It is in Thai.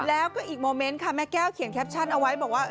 แล้วก็อีกโมเมนต์ค่ะแม่แก้วเขียนแคปชั่นเอาไว้บอกว่า